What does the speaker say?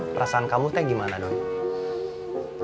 perasaan kamu teh gimana doi